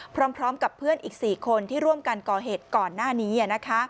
พร้อมกับเพื่อนอีก๔คนที่ร่วมกันก่อเหตุก่อนหน้านี้